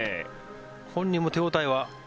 本人も手応えは。